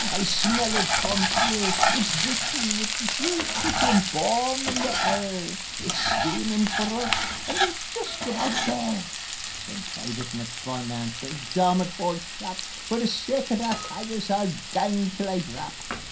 I smell it from here. It's gushin' wi' juice, it's embaumin' the air; It's steamin' for us, and we're jist aboot there." Then Private McPhun answers: "Dommit, auld chap! For the sake o' that haggis I'll gang till I drap."